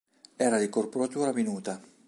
Era di corporatura minuta.